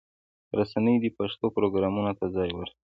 رسنۍ دې پښتو پروګرامونو ته ځای ورکړي.